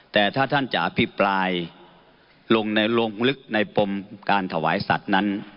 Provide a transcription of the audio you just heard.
แต่ถ้าท่านจะอภิปรายลงในลงลึกในปมการถวายสัตว์นั้น